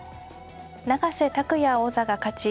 永瀬拓矢王座が勝ち